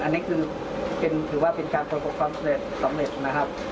อันนี้คือถือว่าเป็นการปลดสำเร็จนะครับ